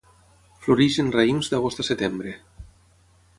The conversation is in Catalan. Floreix en raïms d'agost a setembre.